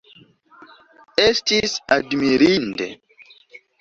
Estis admirinde!